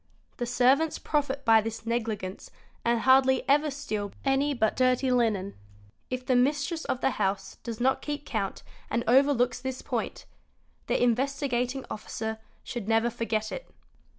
'The servants profit by this negligence and hardly ever steal any but dirty linen, If the mistress of the house does not keep count and overlooks this point, the Investigating Officer should never forget it.